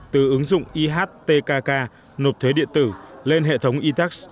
từ ứng dụng ihtkk nộp thuế điện tử lên hệ thống e tex